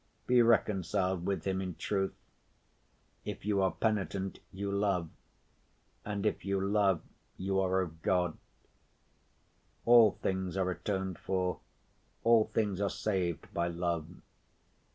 Be reconciled with him in truth. If you are penitent, you love. And if you love you are of God. All things are atoned for, all things are saved by love.